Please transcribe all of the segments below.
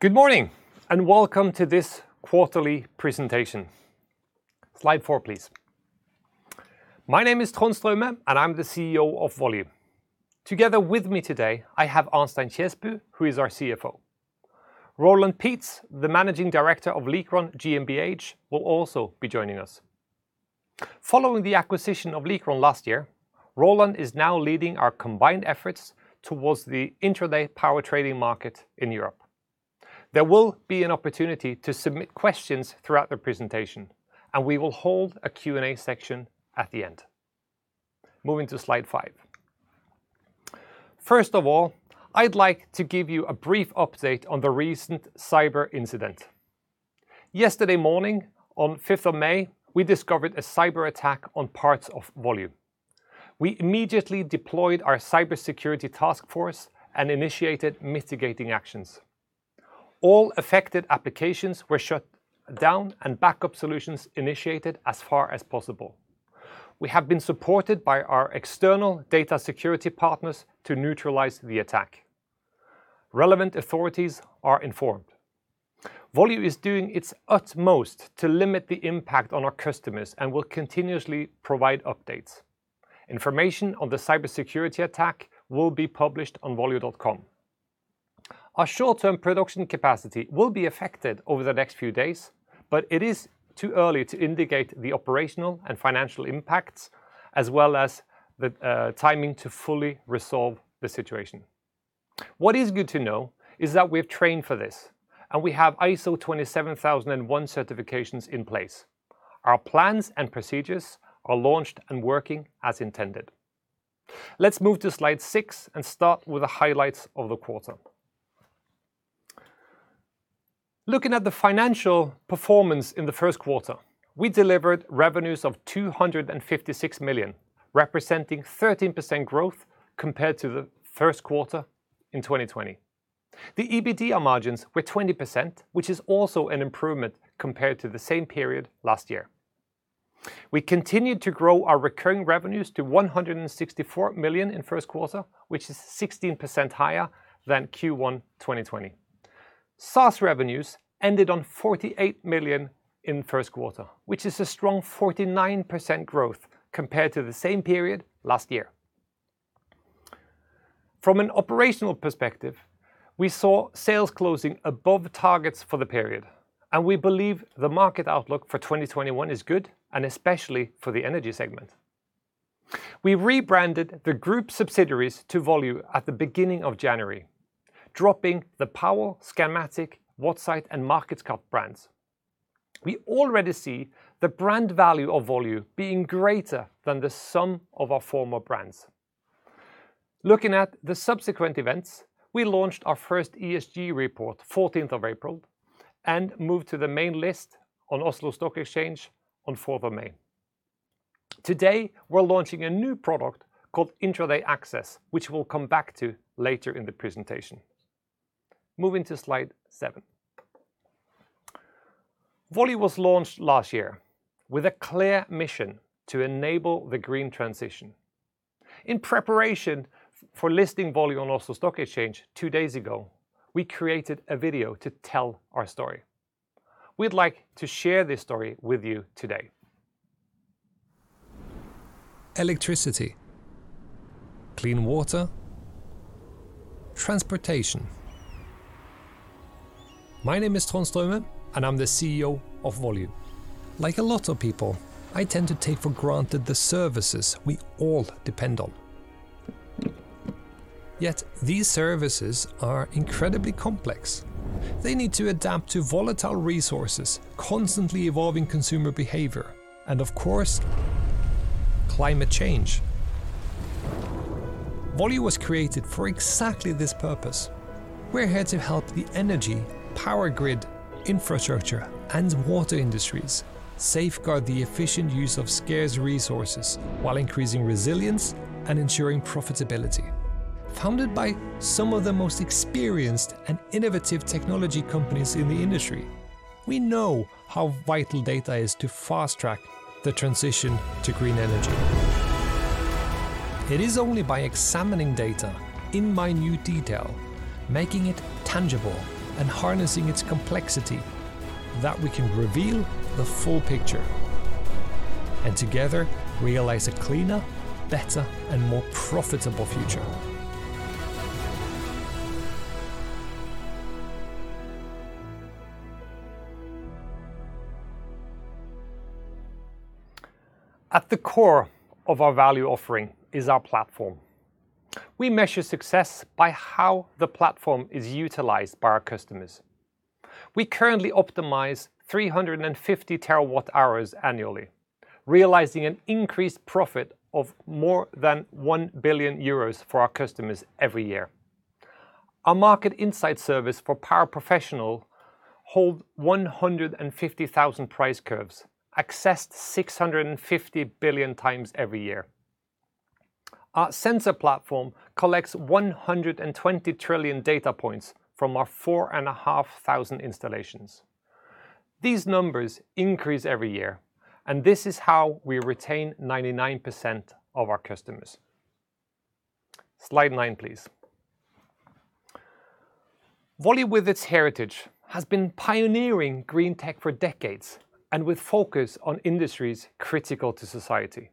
Good morning, welcome to this quarterly presentation. Slide four, please. My name is Trond Straume, and I'm the CEO of Volue. Together with me today, I have Arnstein Kjesbu, who is our CFO. Roland Peetz, the Managing Director of Likron GmbH, will also be joining us. Following the acquisition of Likron last year, Roland is now leading our combined efforts towards the intraday power trading market in Europe. There will be an opportunity to submit questions throughout the presentation, and we will hold a Q&A section at the end. Moving to slide five. First of all, I'd like to give you a brief update on the recent cyber incident. Yesterday morning, on May 5th, we discovered a cyberattack on parts of Volue. We immediately deployed our cybersecurity task force and initiated mitigating actions. All affected applications were shut down and backup solutions initiated as far as possible. We have been supported by our external data security partners to neutralize the attack. Relevant authorities are informed. Volue is doing its utmost to limit the impact on our customers and will continuously provide updates. Information on the cybersecurity attack will be published on volue.com. It is too early to indicate the operational and financial impacts, as well as the timing to fully resolve the situation. What is good to know is that we have trained for this and we have ISO/IEC 27001 certifications in place. Our plans and procedures are launched and working as intended. Let's move to slide six and start with the highlights of the quarter. Looking at the financial performance in the first quarter, we delivered revenues of 256 million, representing 13% growth compared to the first quarter in 2020. The EBITDA margins were 20%, which is also an improvement compared to the same period last year. We continued to grow our recurring revenues to 164 million in first quarter, which is 16% higher than Q1 2020. SaaS revenues ended on 48 million in first quarter, which is a strong 49% growth compared to the same period last year. From an operational perspective, we saw sales closing above targets for the period, and we believe the market outlook for 2021 is good, and especially for the Energy segment. We rebranded the group subsidiaries to Volue at the beginning of January, dropping the Powel, Scanmatic, Wattsight, and Markedskraft brands. We already see the brand value of Volue being greater than the sum of our former brands. Looking at the subsequent events, we launched our first ESG report, April 14th, and moved to the main list on Oslo Stock Exchange on May 4th. Today, we're launching a new product called Intraday Access, which we'll come back to later in the presentation. Moving to slide seven. Volue was launched last year with a clear mission to enable the green transition. In preparation for listing Volue on Oslo Stock Exchange two days ago, we created a video to tell our story. We'd like to share this story with you today. Electricity. Clean water. Transportation. My name is Trond Straume, and I'm the CEO of Volue. Like a lot of people, I tend to take for granted the services we all depend on. Yet these services are incredibly complex. They need to adapt to volatile resources, constantly evolving consumer behavior, and of course, climate change. Volue was created for exactly this purpose. We're here to help the Energy, Power Grid, Infrastructure, and water industries safeguard the efficient use of scarce resources while increasing resilience and ensuring profitability. Founded by some of the most experienced and innovative technology companies in the industry, we know how vital data is to fast-track the transition to green energy. It is only by examining data in minute detail, making it tangible, and harnessing its complexity, that we can reveal the full picture, and together realize a cleaner, better, and more profitable future. At the core of our value offering is our platform. We measure success by how the platform is utilized by our customers. We currently optimize 350 TWh annually, realizing an increased profit of more than 1 billion euros for our customers every year. Our market Insight service for power professional hold 150,000 price curves, accessed 650 billion times every year. Our sensor platform collects 120 trillion data points from our 4,500 installations. These numbers increase every year, and this is how we retain 99% of our customers. Slide nine, please. Volue, with its heritage, has been pioneering green tech for decades and with focus on industries critical to society.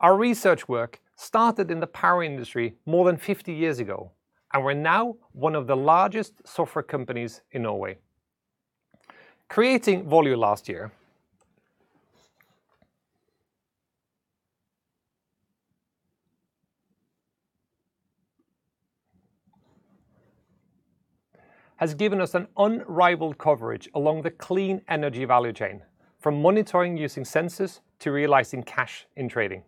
Our research work started in the power industry more than 50 years ago, and we're now one of the largest software companies in Norway. Creating Volue last year has given us an unrivaled coverage along the clean energy value chain, from monitoring using sensors to realizing cash in trading.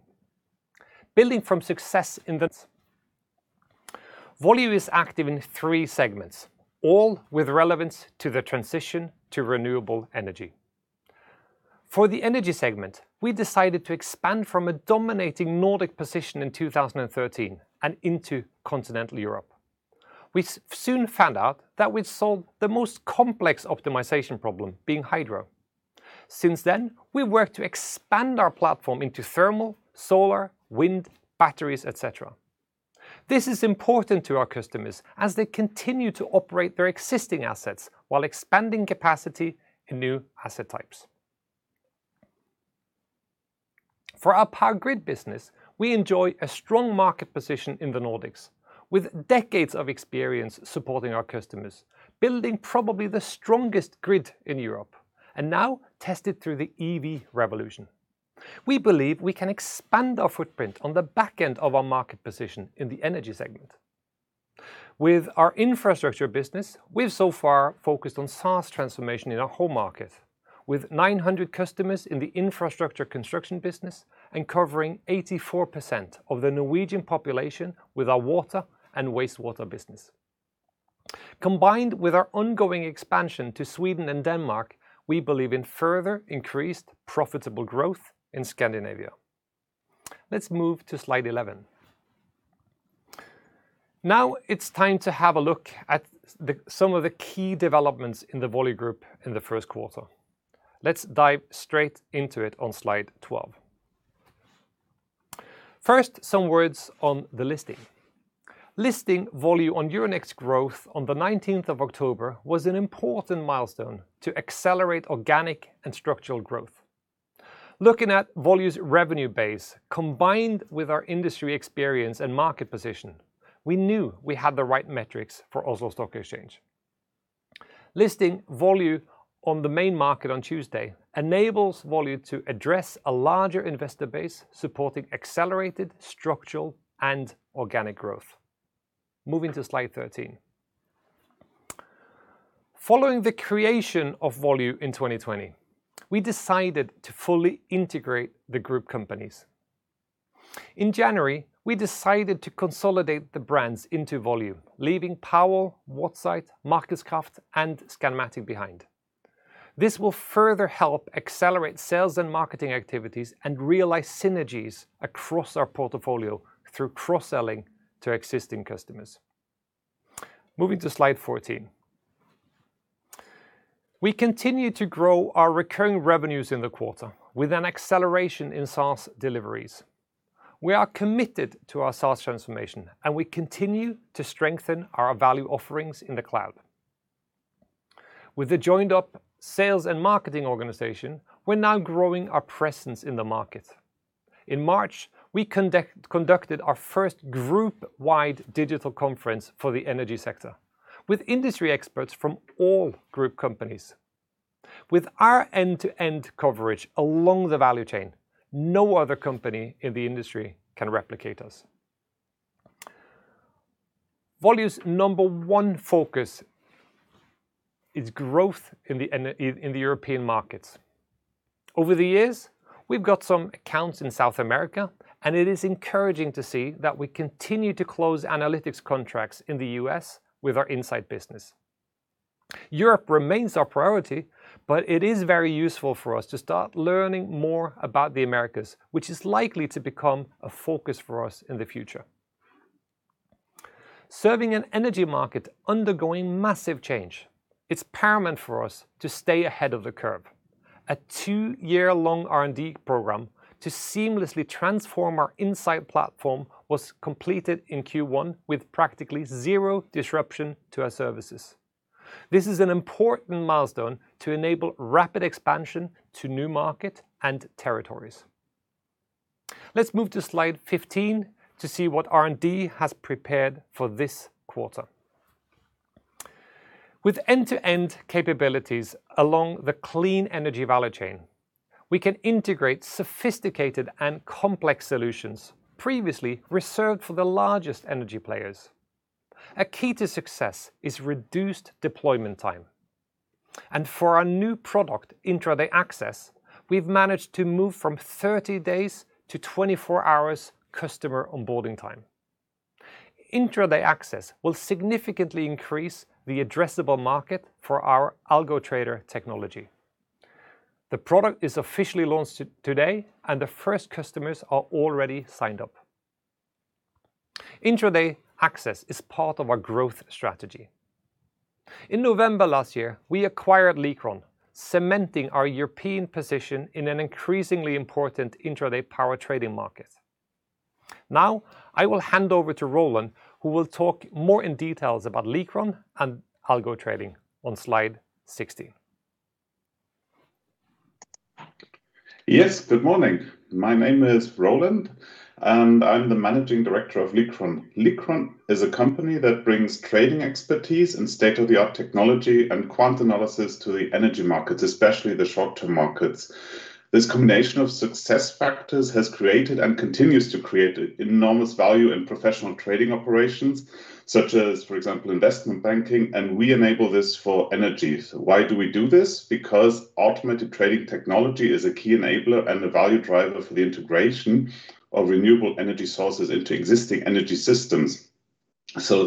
Volue is active in three segments, all with relevance to the transition to renewable energy. For the Energy segment, we decided to expand from a dominating Nordic position in 2013 and into continental Europe. We soon found out that we'd solved the most complex optimization problem, being hydro. Since then, we've worked to expand our platform into thermal, solar, wind, batteries, et cetera. This is important to our customers as they continue to operate their existing assets while expanding capacity in new asset types. For our Power Grid business, we enjoy a strong market position in the Nordics with decades of experience supporting our customers, building probably the strongest grid in Europe, and now tested through the EV revolution. We believe we can expand our footprint on the back end of our market position in the energy segment. With our Infrastructure business, we've so far focused on SaaS transformation in our home market, with 900 customers in the infrastructure construction business and covering 84% of the Norwegian population with our water and wastewater business. Combined with our ongoing expansion to Sweden and Denmark, we believe in further increased profitable growth in Scandinavia. Let's move to slide 11. Now it's time to have a look at some of the key developments in the Volue group in the first quarter. Let's dive straight into it on slide 12. First, some words on the listing. Listing Volue on Euronext Growth on the October 19th was an important milestone to accelerate organic and structural growth. Looking at Volue's revenue base, combined with our industry experience and market position, we knew we had the right metrics for Oslo Stock Exchange. Listing Volue on the main market on Tuesday enables Volue to address a larger investor base, supporting accelerated structural and organic growth. Moving to slide 13. Following the creation of Volue in 2020, we decided to fully integrate the group companies. In January, we decided to consolidate the brands into Volue, leaving Powel, Wattsight, Markedskraft, and Scanmatic behind. This will further help accelerate sales and marketing activities and realize synergies across our portfolio through cross-selling to existing customers. Moving to slide 14. We continue to grow our recurring revenues in the quarter with an acceleration in SaaS deliveries. We are committed to our SaaS transformation, and we continue to strengthen our value offerings in the cloud. With the joined-up sales and marketing organization, we're now growing our presence in the market. In March, we conducted our first group-wide digital conference for the Energy sector, with industry experts from all group companies. With our end-to-end coverage along the value chain, no other company in the industry can replicate us. Volue's number one focus is growth in the European markets. Over the years, we've got some accounts in South America, and it is encouraging to see that we continue to close analytics contracts in the U.S. with our Insight business. Europe remains our priority, but it is very useful for us to start learning more about the Americans, which is likely to become a focus for us in the future. Serving an energy market undergoing massive change, it's paramount for us to stay ahead of the curve. A two-year-long R&D program to seamlessly transform our Insight platform was completed in Q1 with practically zero disruption to our services. This is an important milestone to enable rapid expansion to new market and territories. Let's move to slide 15 to see what R&D has prepared for this quarter. With end-to-end capabilities along the clean energy value chain, we can integrate sophisticated and complex solutions previously reserved for the largest energy players. A key to success is reduced deployment time. For our new product, Intraday Access, we've managed to move from 30 days to 24 hours customer onboarding time. Intraday Access will significantly increase the addressable market for our Algo Trader technology. The product is officially launched today, and the first customers are already signed up. Intraday Access is part of our growth strategy. In November last year, we acquired Likron, cementing our European position in an increasingly important intraday power trading market. Now, I will hand over to Roland, who will talk more in details about Likron and Algo Trader on slide 16. Yes, good morning. My name is Roland, and I'm the Managing Director of Likron. Likron is a company that brings trading expertise and state-of-the-art technology and quant analysis to the energy markets, especially the short-term markets. This combination of success factors has created and continues to create enormous value in professional trading operations, such as, for example, investment banking, and we enable this for energy. Why do we do this? Because automated trading technology is a key enabler and a value driver for the integration of renewable energy sources into existing energy systems.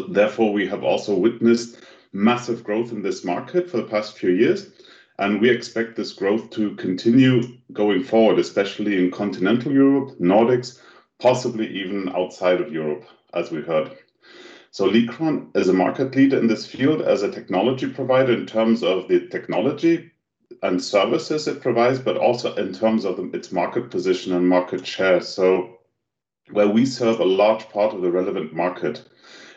Therefore, we have also witnessed massive growth in this market for the past few years, and we expect this growth to continue going forward, especially in continental Europe, Nordics, possibly even outside of Europe, as we heard. Likron is a market leader in this field as a technology provider in terms of the technology and services it provides, but also in terms of its market position and market share. Where we serve a large part of the relevant market,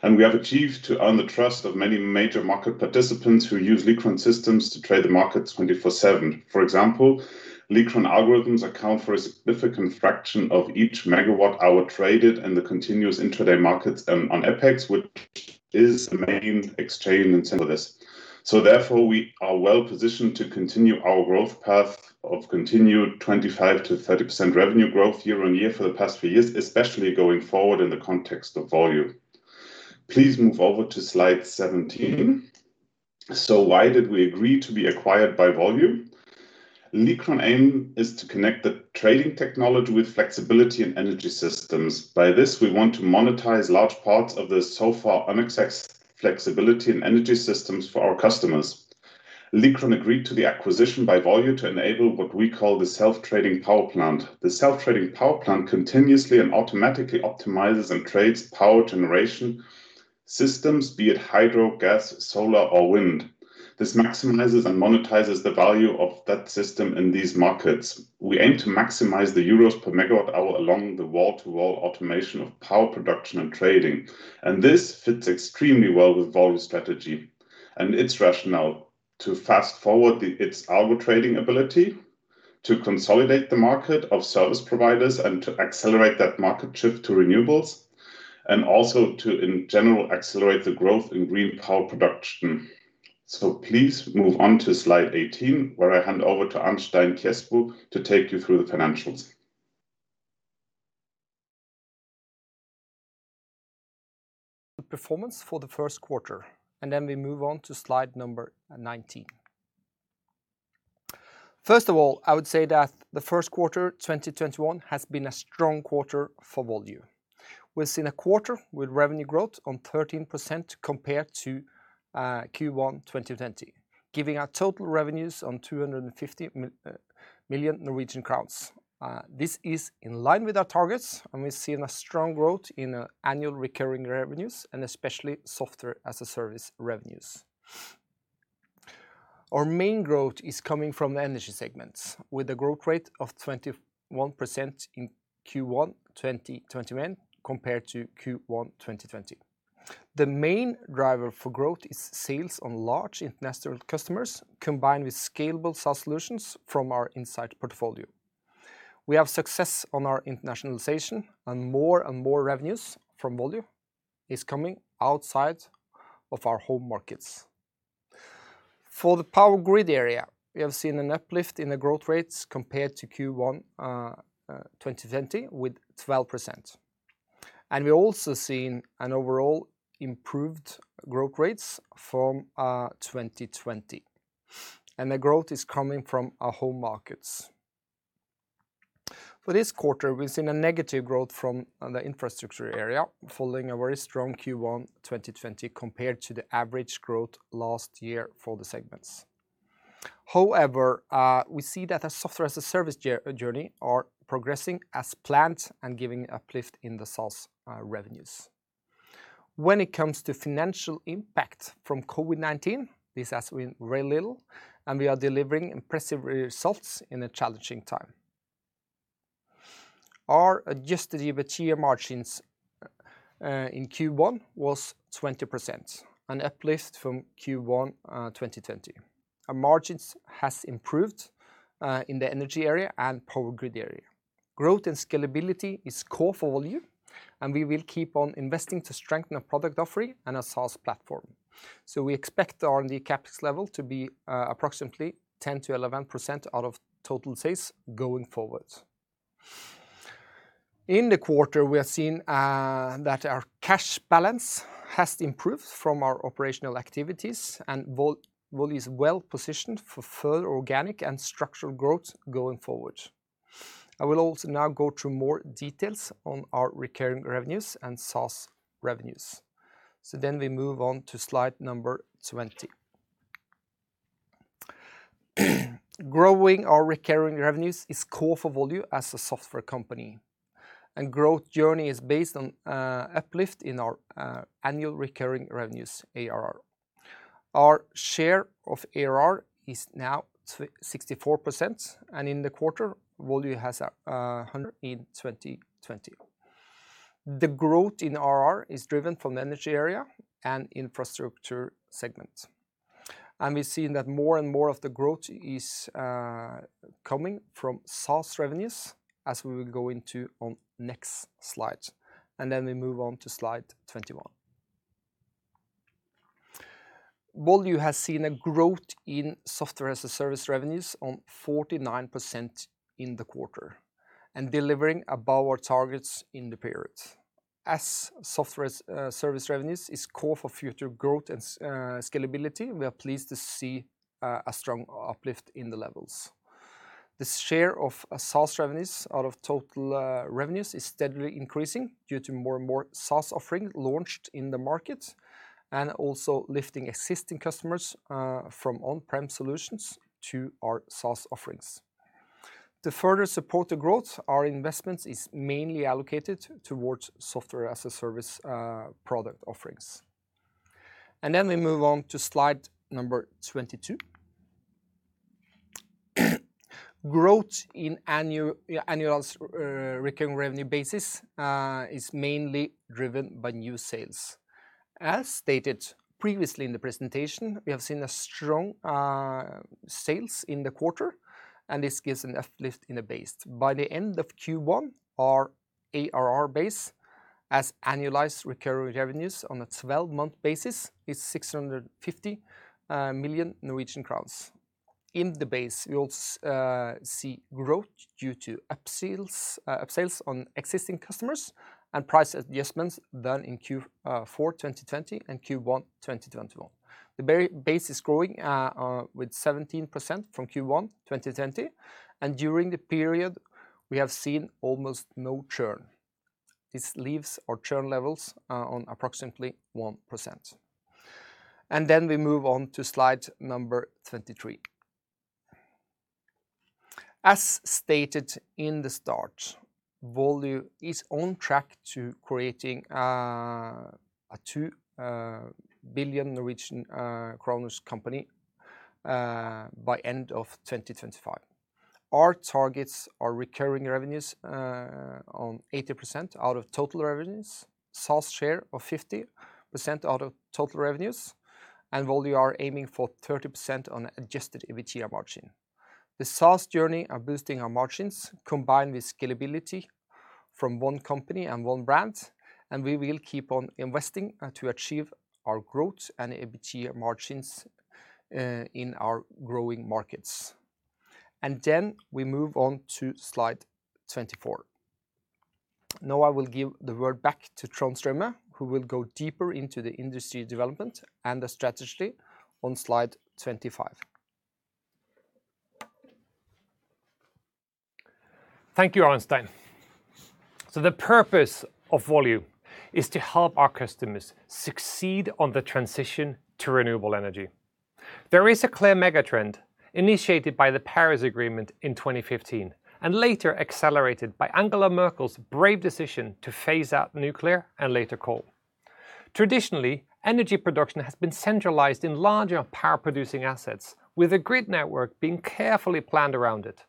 and we have achieved to earn the trust of many major market participants who use Likron systems to trade the markets 24/7. For example, Likron algorithms account for a significant fraction of each megawatt hour traded and the continuous intraday markets on EPEX, which is the main exchange in center of this. Therefore, we are well-positioned to continue our growth path of continued 25%-30% revenue growth year-on-year for the past few years, especially going forward in the context of Volue. Please move over to slide 17. Why did we agree to be acquired by Volue? Likron aim is to connect the trading technology with flexibility and energy systems. By this, we want to monetize large parts of the so-far unaccessed flexibility and energy systems for our customers. Likron agreed to the acquisition by Volue to enable what we call the self-trading power plant. The self-trading power plant continuously and automatically optimizes and trades power generation systems, be it hydro, gas, solar, or wind. This maximizes and monetizes the value of that system in these markets. We aim to maximize the euros per megawatt hour along the wall-to-wall automation of power production and trading. This fits extremely well with Volue strategy and its rationale to fast-forward its algo trading ability, to consolidate the market of service providers, and to accelerate that market shift to renewables, and also to, in general, accelerate the growth in green power production. Please move on to slide 18, where I hand over to Arnstein Kjesbu to take you through the financials. Performance for the first quarter. We move on to slide number 19. First of all, I would say that the first quarter 2021 has been a strong quarter for Volue. We're seeing a quarter with revenue growth on 13% compared to Q1 2020, giving our total revenues on 250 million Norwegian crowns. This is in line with our targets, and we're seeing a strong growth in annual recurring revenues, and especially software as a service revenues. Our main growth is coming from the Energy segments, with a growth rate of 21% in Q1 2021 compared to Q1 2020. The main driver for growth is sales on large international customers, combined with scalable SaaS solutions from our Insight portfolio. We have success on our internationalization, and more and more revenues from Volue is coming outside of our home markets. For the Power Grid area, we have seen an uplift in the growth rates compared to Q1 2020 with 12%. We're also seeing an overall improved growth rates from 2020. The growth is coming from our home markets. For this quarter, we've seen a negative growth from the Infrastructure area following a very strong Q1 2020 compared to the average growth last year for the segments. However, we see that our software as a service journey are progressing as planned and giving uplift in the SaaS revenues. When it comes to financial impact from COVID-19, this has been very little, and we are delivering impressive results in a challenging time. Our adjusted EBITDA margins in Q1 was 20%, an uplift from Q1 2020. Our margins has improved in the Energy area and Power grid area. Growth and scalability is core for Volue, and we will keep on investing to strengthen our product offering and our SaaS platform. We expect our R&D CapEx level to be approximately 10%-11% out of total sales going forward. In the quarter, we are seeing that our cash balance has improved from our operational activities, and Volue is well-positioned for further organic and structural growth going forward. I will also now go through more details on our recurring revenues and SaaS revenues. We move on to slide number 20. Growing our recurring revenues is core for Volue as a software company, and growth journey is based on uplift in our annual recurring revenues, ARR. Our share of ARR is now 64%, and in the quarter, Volue has 100 in 2020. The growth in ARR is driven from the Energy area and Infrastructure segment. We've seen that more and more of the growth is coming from SaaS revenues, as we will go into on next slide. We move on to slide 21. Volue has seen a growth in software as a service revenues on 49% in the quarter and delivering above our targets in the period. As software service revenues is core for future growth and scalability, we are pleased to see a strong uplift in the levels. The share of SaaS revenues out of total revenues is steadily increasing due to more and more SaaS offering launched in the market, and also lifting existing customers from on-prem solutions to our SaaS offerings. To further support the growth, our investments is mainly allocated towards software as a service product offerings. We move on to slide number 22. Growth in annual recurring revenue basis is mainly driven by new sales. As stated previously in the presentation, we have seen a strong sales in the quarter. This gives an uplift in the base. By the end of Q1, our ARR base as annualized recurring revenues on a 12-month basis is 650 million Norwegian crowns. In the base, we also see growth due to upsales on existing customers and price adjustments done in Q4 2020 and Q1 2021. The base is growing with 17% from Q1 2020, and during the period we have seen almost no churn. This leaves our churn levels on approximately 1%. Then we move on to slide number 23. As stated in the start, Volue is on track to creating a NOK 2 billion company by end of 2025. Our targets are recurring revenues on 80% out of total revenues, SaaS share of 50% out of total revenues, and Volue are aiming for 30% on adjusted EBITDA margin. The SaaS journey are boosting our margins, combined with scalability from one company and one brand. We will keep on investing to achieve our growth and EBITDA margins in our growing markets. Then we move on to slide 24. Now I will give the word back to Trond Straume, who will go deeper into the industry development and the strategy on slide 25. Thank you, Arnstein. The purpose of Volue is to help our customers succeed on the transition to renewable energy. There is a clear mega trend initiated by the Paris Agreement in 2015 and later accelerated by Angela Merkel's brave decision to phase out nuclear and later coal. Traditionally, energy production has been centralized in larger power producing assets with a grid network being carefully planned around it.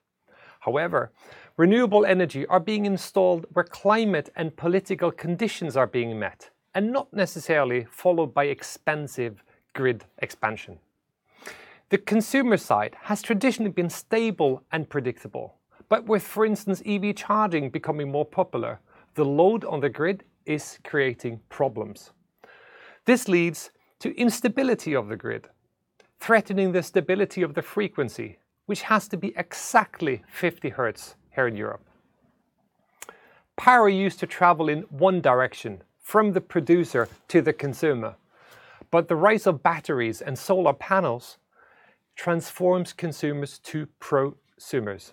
However, renewable energy are being installed where climate and political conditions are being met and not necessarily followed by expensive grid expansion. The consumer side has traditionally been stable and predictable, but with, for instance, EV charging becoming more popular, the load on the grid is creating problems. This leads to instability of the grid, threatening the stability of the frequency, which has to be exactly 50 Hz here in Europe. Power used to travel in one direction, from the producer to the consumer, but the rise of batteries and solar panels transforms consumers to prosumers.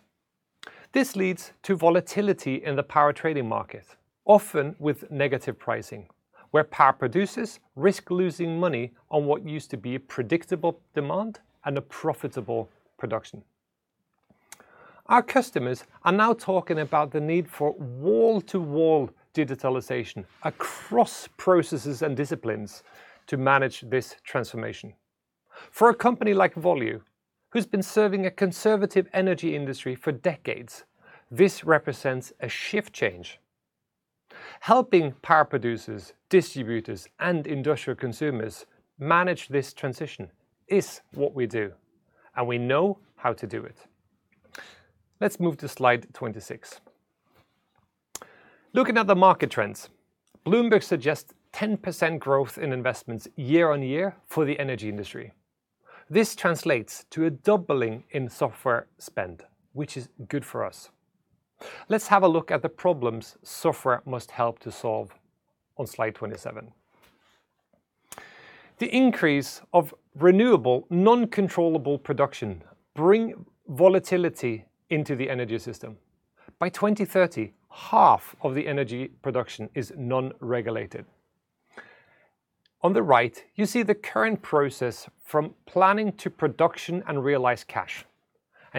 This leads to volatility in the power trading market, often with negative pricing, where power producers risk losing money on what used to be a predictable demand and a profitable production. Our customers are now talking about the need for wall-to-wall digitalization across processes and disciplines to manage this transformation. For a company like Volue, who's been serving a conservative energy industry for decades, this represents a shift change. Helping power producers, distributors, and industrial consumers manage this transition is what we do, and we know how to do it. Let's move to slide 26. Looking at the market trends, Bloomberg suggests 10% growth in investments year on year for the energy industry. This translates to a doubling in software spend, which is good for us. Let's have a look at the problems software must help to solve on slide 27. The increase of renewable, non-controllable production bring volatility into the energy system. By 2030, half of the energy production is non-regulated.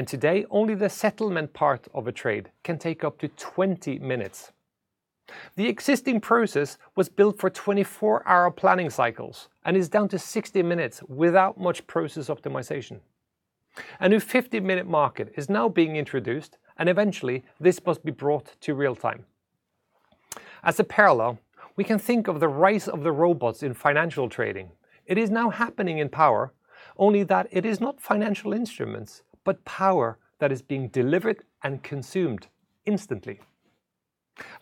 Today only the settlement part of a trade can take up to 20 minutes. The existing process was built for 24-hour planning cycles and is down to 60 minutes without much process optimization. A new 50-minute market is now being introduced, and eventually this must be brought to real-time. As a parallel, we can think of the rise of the robots in financial trading. It is now happening in power, only that it is not financial instruments, but power that is being delivered and consumed instantly.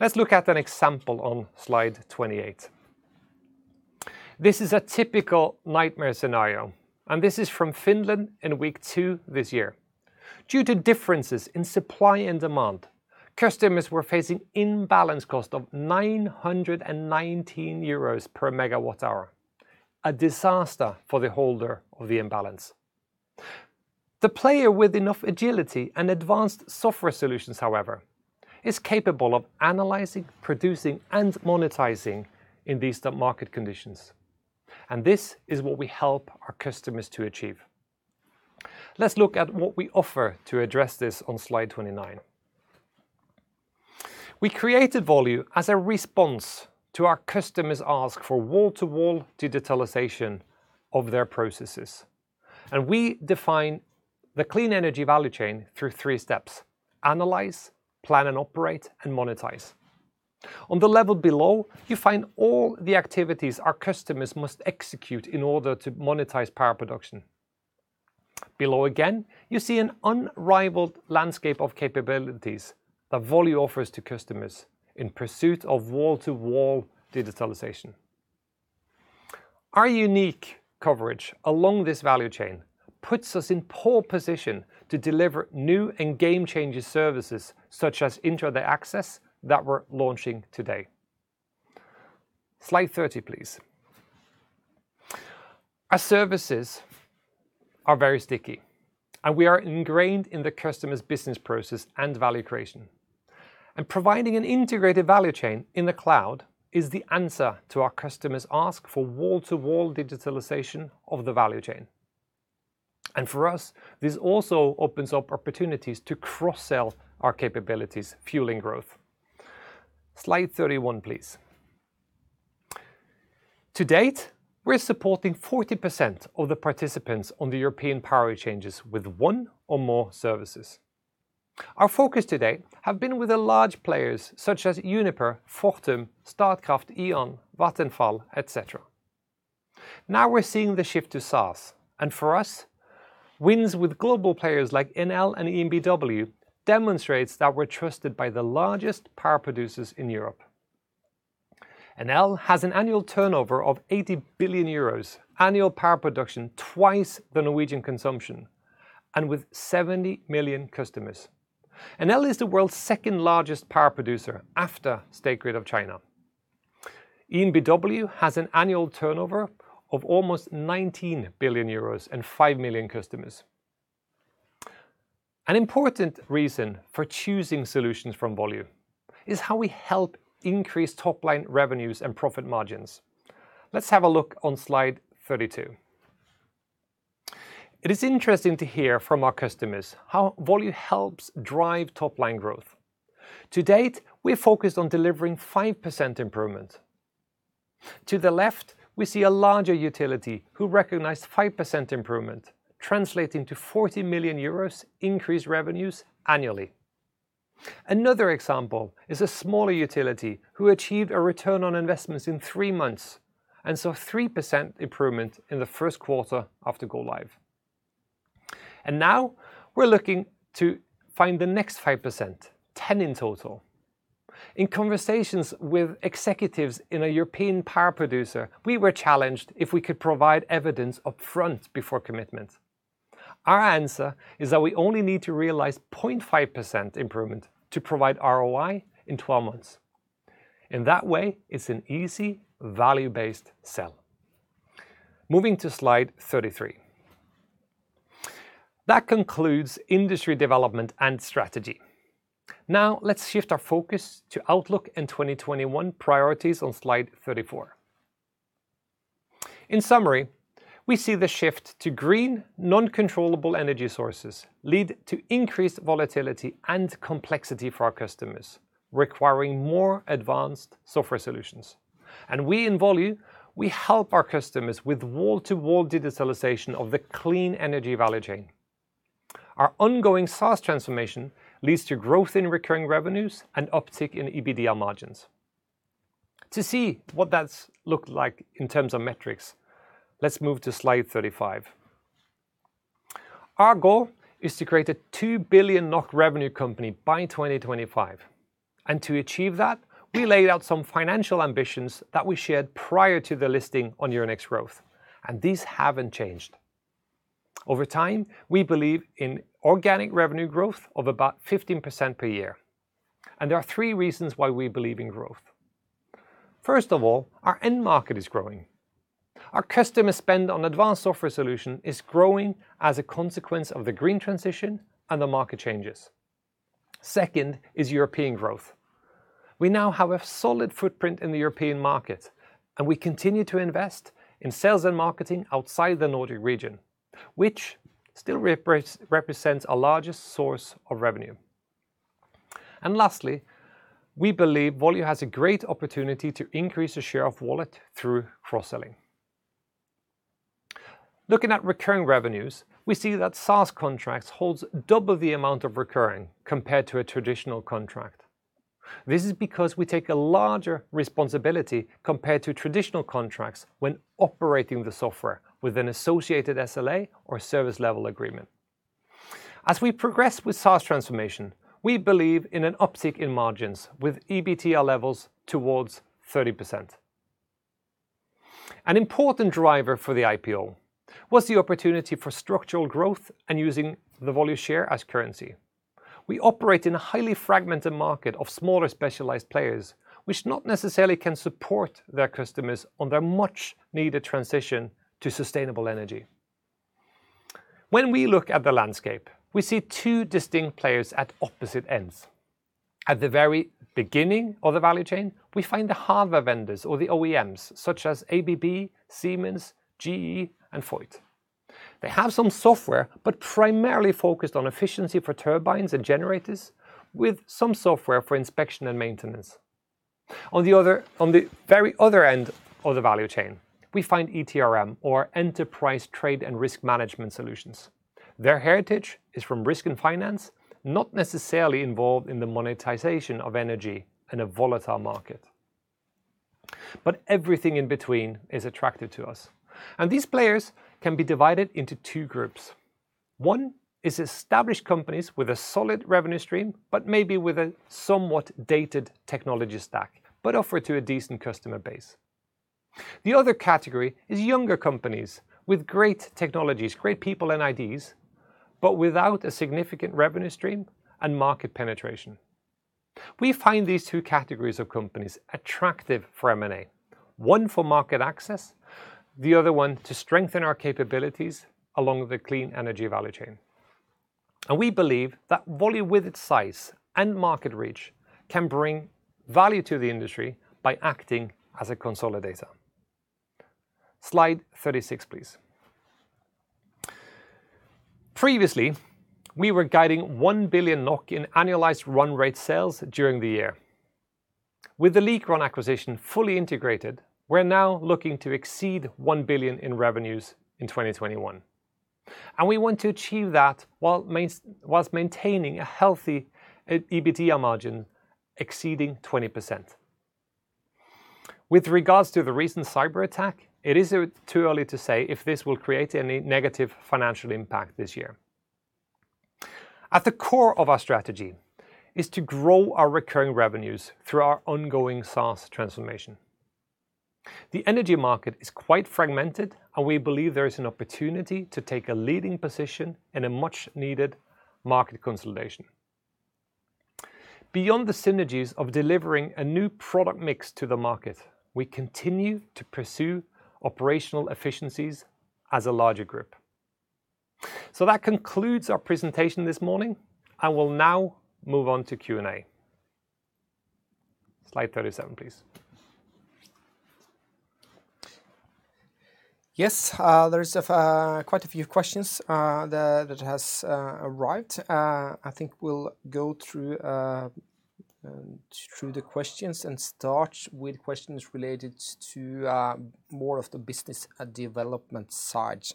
Let's look at an example on slide 28. This is a typical nightmare scenario. This is from Finland in week two this year. Due to differences in supply and demand, customers were facing imbalance cost of 919 euros per megawatt hour, a disaster for the holder of the imbalance. The player with enough agility and advanced software solutions, however, is capable of analyzing, producing, and monetizing in these market conditions. This is what we help our customers to achieve. Let's look at what we offer to address this on slide 29. We created Volue as a response to our customers' ask for wall-to-wall digitalization of their processes. We define the clean energy value chain through three steps: analyze, plan and operate, and monetize. On the level below, you find all the activities our customers must execute in order to monetize power production. Below again, you see an unrivaled landscape of capabilities that Volue offers to customers in pursuit of wall-to-wall digitalization. Our unique coverage along this value chain puts us in pole position to deliver new and game-changing services, such as Intraday Access that we're launching today. Slide 30, please. Our services are very sticky, and we are ingrained in the customer's business process and value creation. Providing an integrated value chain in the cloud is the answer to our customers' ask for wall-to-wall digitalization of the value chain. For us, this also opens up opportunities to cross-sell our capabilities, fueling growth. Slide 31, please. To date, we're supporting 40% of the participants on the European power exchanges with one or more services. Our focus today have been with the large players such as Uniper, Fortum, Statkraft, E.ON, Vattenfall, et cetera. Now we're seeing the shift to SaaS and for us, wins with global players like Enel and EnBW demonstrates that we're trusted by the largest power producers in Europe. Enel has an annual turnover of 80 billion euros, annual power production twice the Norwegian consumption, and with 70 million customers. Enel is the world's second largest power producer after State Grid of China. EnBW has an annual turnover of almost 19 billion euros and 5 million customers. An important reason for choosing solutions from Volue is how we help increase top-line revenues and profit margins. Let's have a look on slide 32. It is interesting to hear from our customers how Volue helps drive top-line growth. To date, we are focused on delivering 5% improvement. To the left, we see a larger utility who recognized 5% improvement translating to 40 million euros increased revenues annually. Another example is a smaller utility who achieved a return on investments in three months and saw 3% improvement in the first quarter after go live. Now we're looking to find the next 5%, 10% in total. In conversations with executives in a European power producer, we were challenged if we could provide evidence upfront before commitment. Our answer is that we only need to realize 0.5% improvement to provide ROI in 12 months. In that way, it's an easy value-based sell. Moving to slide 33. That concludes industry development and strategy. Now let's shift our focus to outlook and 2021 priorities on slide 34. In summary, we see the shift to green non-controllable energy sources lead to increased volatility and complexity for our customers, requiring more advanced software solutions. We in Volue, we help our customers with wall-to-wall digitalization of the clean energy value chain. Our ongoing SaaS transformation leads to growth in recurring revenues and uptick in EBITDA margins. To see what that's looked like in terms of metrics, let's move to slide 35. Our goal is to create a 2 billion NOK revenue company by 2025. To achieve that, we laid out some financial ambitions that we shared prior to the listing on Euronext Growth, and these haven't changed. Over time, we believe in organic revenue growth of about 15% per year, and there are three reasons why we believe in growth. First of all, our end market is growing. Our customer spend on advanced software solution is growing as a consequence of the green transition and the market changes. Second is European growth. We now have a solid footprint in the European market. We continue to invest in sales and marketing outside the Nordic region, which still represents our largest source of revenue. Lastly, we believe Volue has a great opportunity to increase the share of wallet through cross-selling. Looking at recurring revenues, we see that SaaS contracts holds double the amount of recurring compared to a traditional contract. This is because we take a larger responsibility compared to traditional contracts when operating the software with an associated SLA or service level agreement. As we progress with SaaS transformation, we believe in an uptick in margins with EBITDA levels towards 30%. An important driver for the IPO was the opportunity for structural growth and using the Volue share as currency. We operate in a highly fragmented market of smaller specialized players, which not necessarily can support their customers on their much-needed transition to sustainable energy. When we look at the landscape, we see two distinct players at opposite ends. At the very beginning of the value chain, we find the hardware vendors or the OEMs, such as ABB, Siemens, GE, and Voith. They have some software, but primarily focused on efficiency for turbines and generators, with some software for inspection and maintenance. On the very other end of the value chain, we find ETRM or Enterprise Trade and Risk Management solutions. Their heritage is from risk and finance, not necessarily involved in the monetization of energy in a volatile market. Everything in between is attractive to us, and these players can be divided into two groups. One is established companies with a solid revenue stream, but maybe with a somewhat dated technology stack, but offer to a decent customer base. The other category is younger companies with great technologies, great people and ideas, but without a significant revenue stream and market penetration. We find these two categories of companies attractive for M&A, one for market access, the other one to strengthen our capabilities along the clean energy value chain. We believe that Volue, with its size and market reach, can bring value to the industry by acting as a consolidator. Slide 36, please. Previously, we were guiding 1 billion NOK in annualized run rate sales during the year. With the Likron acquisition fully integrated, we're now looking to exceed 1 billion in revenues in 2021, and we want to achieve that whilst maintaining a healthy EBITDA margin exceeding 20%. With regards to the recent cyber attack, it is too early to say if this will create any negative financial impact this year. At the core of our strategy is to grow our recurring revenues through our ongoing SaaS transformation. The energy market is quite fragmented, and we believe there is an opportunity to take a leading position in a much needed market consolidation. Beyond the synergies of delivering a new product mix to the market, we continue to pursue operational efficiencies as a larger group. That concludes our presentation this morning. I will now move on to Q&A. Slide 37, please. Yes. There's quite a few questions that has arrived. I think we'll go through the questions and start with questions related to more of the business development side.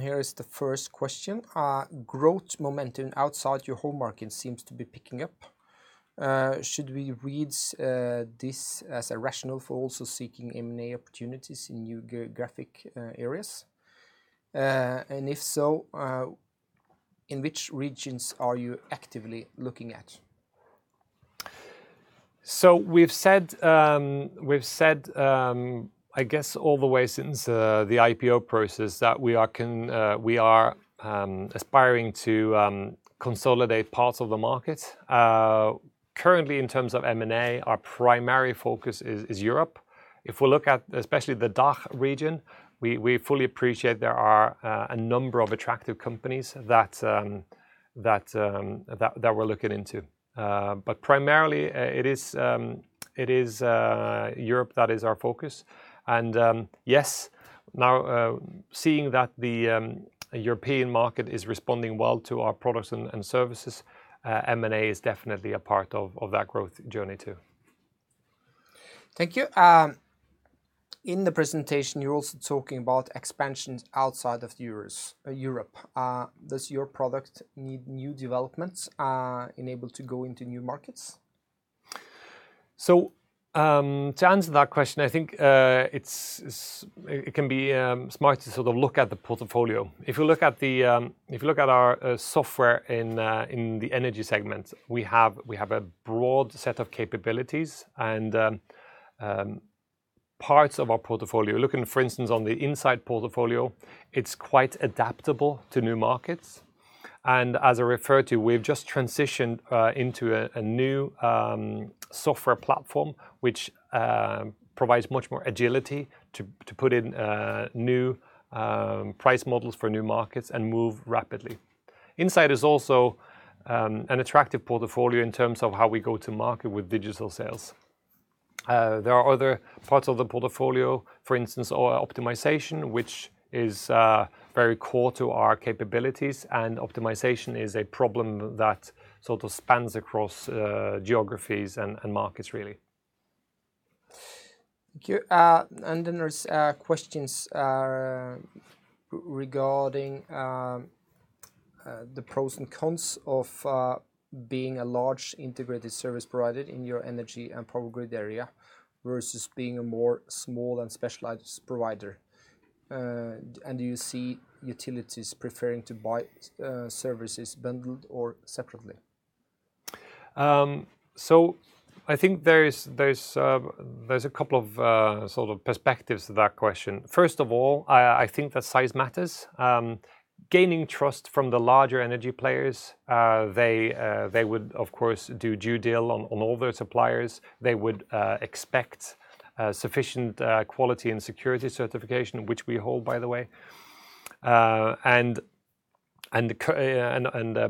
Here is the first question. Growth momentum outside your home market seems to be picking up. Should we read this as a rationale for also seeking M&A opportunities in new geographic areas? If so, in which regions are you actively looking at? We've said, I guess all the way since the IPO process, that we are aspiring to consolidate parts of the market. Currently, in terms of M&A, our primary focus is Europe. If we look at especially the DACH region, we fully appreciate there are a number of attractive companies that we're looking into. Primarily, it is Europe that is our focus, and yes, now seeing that the European market is responding well to our products and services, M&A is definitely a part of that growth journey, too. Thank you. In the presentation, you're also talking about expansions outside of Europe. Does your product need new developments enable to go into new markets? To answer that question, I think it can be smart to look at the portfolio. If you look at our software in the energy segment, we have a broad set of capabilities and parts of our portfolio. Looking, for instance, on the Insight portfolio, it's quite adaptable to new markets. As I referred to, we've just transitioned into a new software platform, which provides much more agility to put in new price models for new markets and move rapidly. Insight is also an attractive portfolio in terms of how we go to market with digital sales. There are other parts of the portfolio, for instance, our optimization, which is very core to our capabilities. Optimization is a problem that sort of spans across geographies and markets really. Thank you. Then there's questions regarding the pros and cons of being a large integrated service provider in your Energy and Power Grid area versus being a more small and specialized provider. Do you see utilities preferring to buy services bundled or separately? I think there's a couple of sort of perspectives to that question. First of all, I think that size matters. Gaining trust from the larger energy players, they would of course do due diligence on all their suppliers. They would expect sufficient quality and security certification, which we hold by the way, and a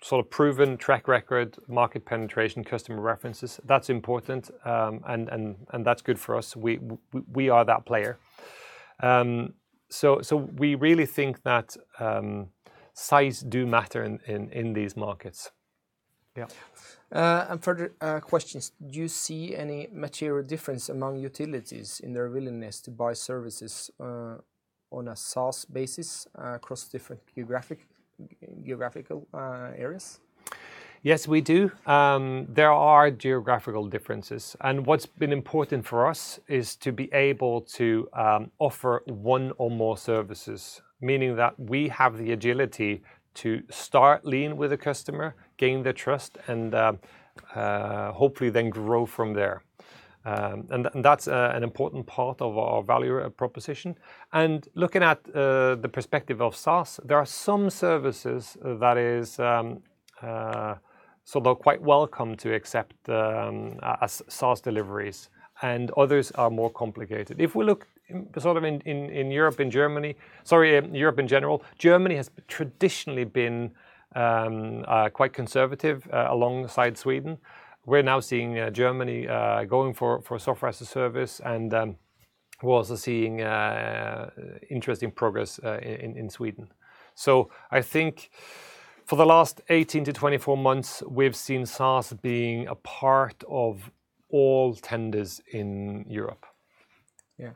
sort of proven track record, market penetration, customer references. That's important, and that's good for us. We are that player. We really think that size do matter in these markets. Yeah. Further questions. Do you see any material difference among utilities in their willingness to buy services on a SaaS basis across different geographical areas? Yes, we do. There are geographical differences. What's been important for us is to be able to offer one or more services, meaning that we have the agility to start lean with a customer, gain their trust, and hopefully then grow from there. That's an important part of our value proposition. Looking at the perspective of SaaS, there are some services that is quite welcome to accept SaaS deliveries and others are more complicated. If we look in Europe, in general, Germany has traditionally been quite conservative alongside Sweden. We're now seeing Germany going for software as a service and we're also seeing interesting progress in Sweden. I think for the last 18-24 months, we've seen SaaS being a part of all tenders in Europe. Yeah.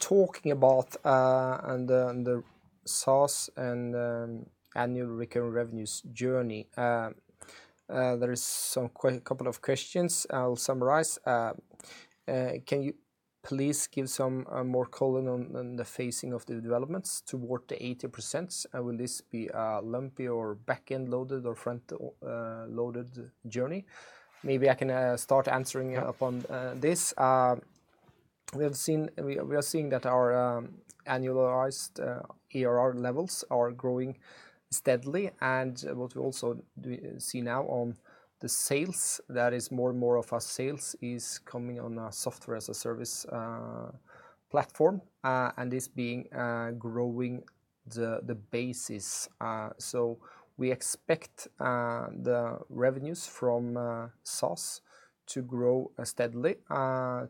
Talking about the SaaS and annual recurring revenues journey, there is a couple of questions I'll summarize. Can you please give some more color on the phasing of the developments toward the 80%? Will this be a lumpy or backend loaded or front-loaded journey? Maybe I can start answering upon this. We are seeing that our annualized ARR levels are growing steadily and what we also see now on the sales, that is more and more of our sales is coming on a software as a service platform, and this being growing the basis. We expect the revenues from SaaS to grow steadily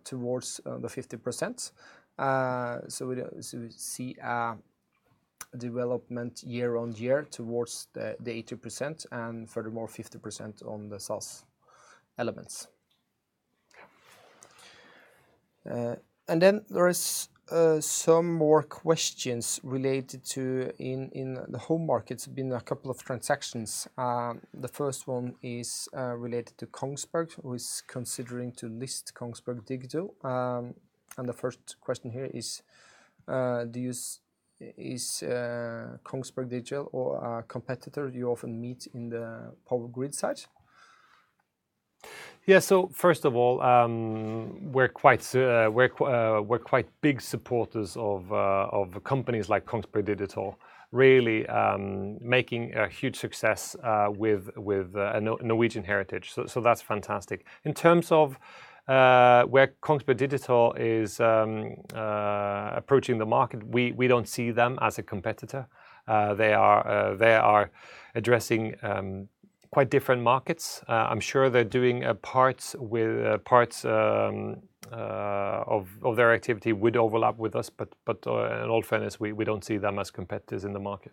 towards the 50%. We see a development year-on-year towards the 80% and furthermore, 50% on the SaaS elements. Yeah. There is some more questions related to in the home markets, been a couple of transactions. The first one is related to Kongsberg, who is considering to list Kongsberg Digital. The first question here is Kongsberg Digital a competitor you often meet in the Power Grid side? Yeah. First of all, we're quite big supporters of companies like Kongsberg Digital really making a huge success with a Norwegian heritage. That's fantastic. In terms of where Kongsberg Digital is approaching the market, we don't see them as a competitor. They are addressing quite different markets. I'm sure they're doing parts of their activity would overlap with us, but in all fairness, we don't see them as competitors in the market.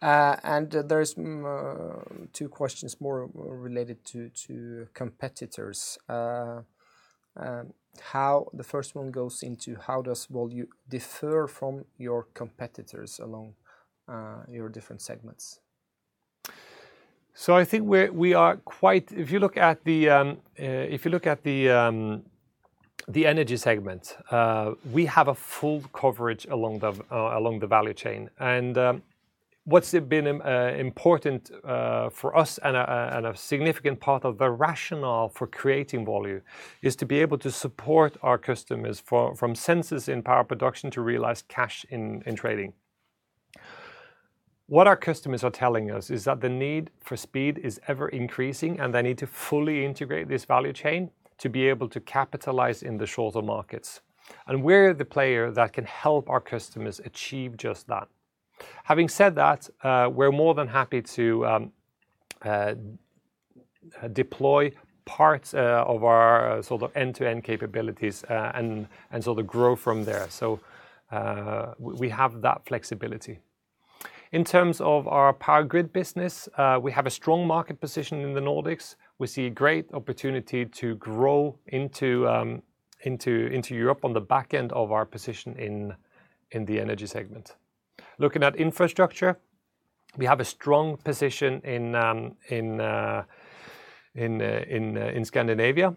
There's two questions more related to competitors. The first one goes into how does Volue differ from your competitors along your different segments? I think if you look at the energy segment, we have a full coverage along the value chain. What's been important for us and a significant part of the rationale for creating Volue is to be able to support our customers from sensors in power production to realized cash in trading. What our customers are telling us is that the need for speed is ever-increasing, and they need to fully integrate this value chain to be able to capitalize in the shorter markets. We're the player that can help our customers achieve just that. Having said that, we're more than happy to deploy parts of our end-to-end capabilities and grow from there. We have that flexibility. In terms of our Power Grid business, we have a strong market position in the Nordics. We see great opportunity to grow into Europe on the back end of our position in the Energy segment. Looking at Infrastructure, we have a strong position in Scandinavia.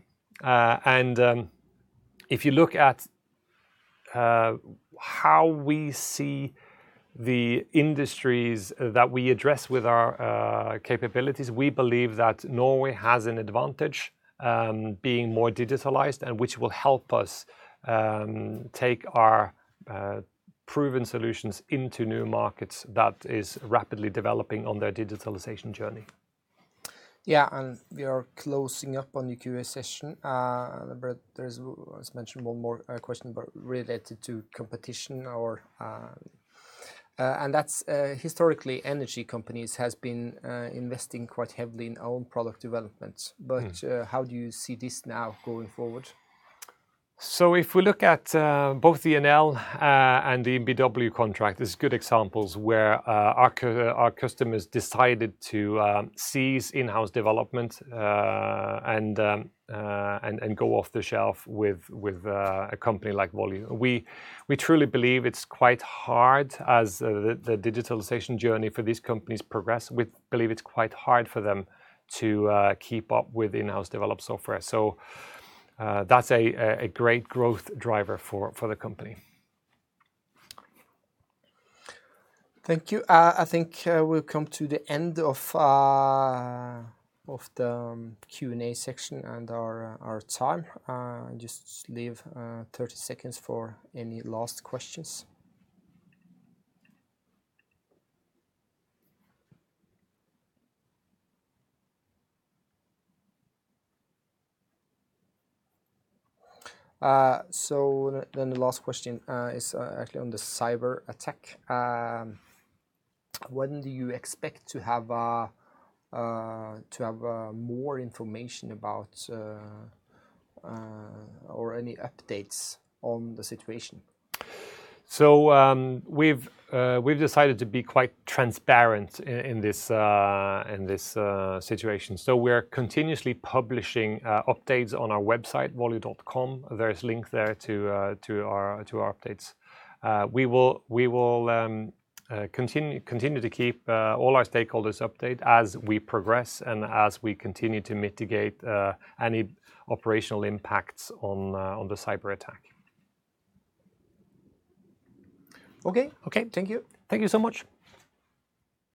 If you look at how we see the industries that we address with our capabilities, we believe that Norway has an advantage being more digitalized, and which will help us take our proven solutions into new markets that is rapidly developing on their digitalization journey. We are closing up on the Q&A session. There is, as mentioned, one more question related to competition. That's historically, energy companies has been investing quite heavily in own product development. How do you see this now going forward? If we look at both the Enel and the EnBW contract, there's good examples where our customers decided to cease in-house development and go off the shelf with a company like Volue. We truly believe it's quite hard as the digitalization journey for these companies progress. We believe it's quite hard for them to keep up with in-house developed software. That's a great growth driver for the company. Thank you. I think we've come to the end of the Q&A section and our time. I just leave 30 seconds for any last questions. The last question is actually on the cyber attack. When do you expect to have more information about or any updates on the situation? We've decided to be quite transparent in this situation. We're continuously publishing updates on our website, volue.com. There is link there to our updates. We will continue to keep all our stakeholders updated as we progress and as we continue to mitigate any operational impacts on the cyber attack. Okay. Okay. Thank you. Thank you so much.